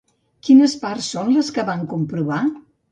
Quines parts són les que van comprovar?